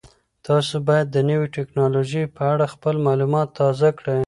تاسو باید د نوې تکنالوژۍ په اړه خپل معلومات تازه کړئ.